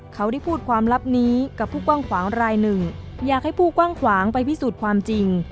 เขาได้พูดความลับนี้กับผู้กว้างขวางรายหนึ่งอยากให้ผู้กว้างขวางไปพิสูจน์ความจริง